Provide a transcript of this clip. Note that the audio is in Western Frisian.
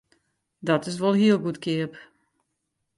Dat is wol hiel goedkeap!